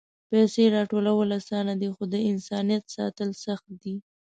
پېسې راټولول آسانه دي، خو د انسانیت ساتل سخت دي.